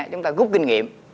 chúng ta rút kinh nghiệm